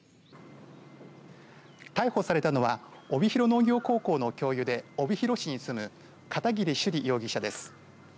逮捕されたのは帯広農業高校の教諭で帯広市に住む片桐朱璃容疑者です。